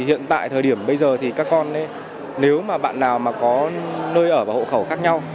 hiện tại thời điểm bây giờ thì các con nếu mà bạn nào mà có nơi ở và hộ khẩu khác nhau